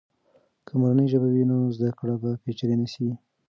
که مورنۍ ژبه وي، نو زده کړه به پیچلې نه سي.